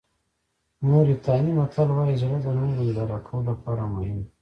موریتاني متل وایي زړه د نورو اداره کولو لپاره مهم دی.